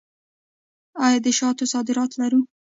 آیا د شاتو صادرات لرو؟